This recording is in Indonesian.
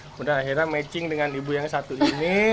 kemudian akhirnya matching dengan ibu yang satu ini